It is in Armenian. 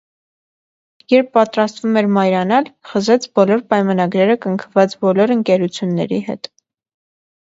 Երբ պատրաստվում էր մայրանալ՝ խզեց բոլոր պայմանագրերը կնքված բոլոր ընկերությունների հետ։